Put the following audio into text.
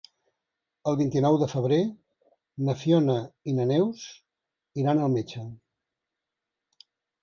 El vint-i-nou de febrer na Fiona i na Neus iran al metge.